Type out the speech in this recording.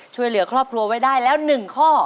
ช่วยเหลือครอบครัวไว้ได้แล้ว๑ข้อ